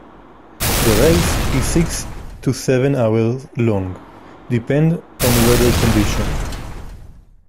The race is six to seven hours long, depending on weather conditions.